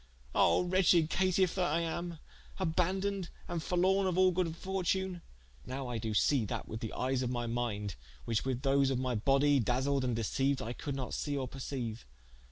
Ah wretched caitife that I am, abandoned and forlorne of all good fortune: nowe I doe see that with the eies of my minde, which with those of my body daseled and deceiued I could not see or perceiue.